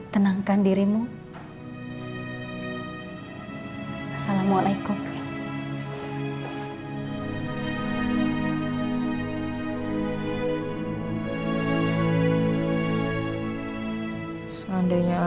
tapi dia yang siap menjadi madrasah cinta bagi anak anaknya